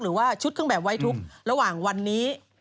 หรือว่าชุดเครื่องแบบไว้ทุกข์ระหว่างวันนี้